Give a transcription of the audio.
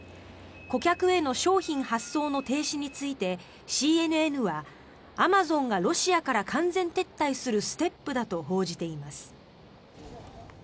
顧客への商品発送の停止についてＣＮＮはアマゾンがロシアから完全撤退するステップだと報じています。